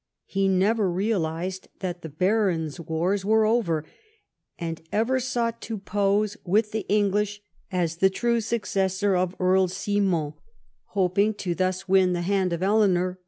He never realised that the Barons' Wars were over, and ever sought to pose with the English as the true successor of Earl Simon, hoping to thus win the hand of Eleanor, 108 EDWARD I chap.